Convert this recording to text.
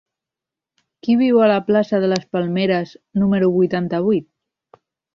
Qui viu a la plaça de les Palmeres número vuitanta-vuit?